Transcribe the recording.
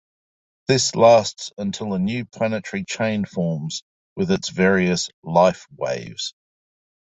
This lasts until a new planetary chain forms with its various life waves.